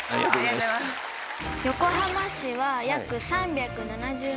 横浜市は約３７０万人。